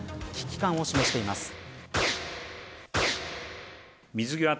危機感を示しています。